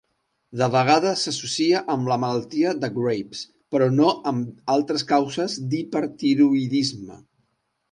De vegades s'associa amb la malaltia de Graves, però no amb altres causes d'hipertiroïdisme.